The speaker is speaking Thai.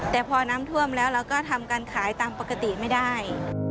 แต่พอน้ำท่วมแล้วเราก็ทำการขายตามปกติไม่ได้